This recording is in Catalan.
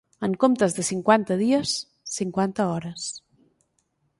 En comptes de cinquanta dies, cinquanta hores.